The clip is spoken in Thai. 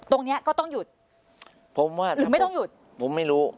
เนี้ยก็ต้องหยุดผมว่าหรือไม่ต้องหยุดผมไม่รู้